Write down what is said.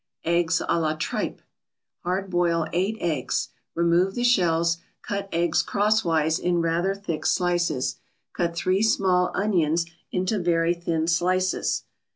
EGGS A LA TRIPE Hard boil eight eggs. Remove the shells, cut eggs crosswise in rather thick slices. Cut three small onions into very thin slices.